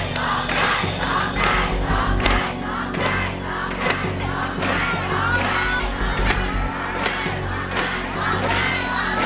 ร้องได้ร้องได้